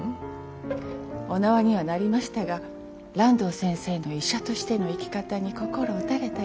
お縄にはなりましたが爛堂先生の医者としての生き方に心を打たれたような。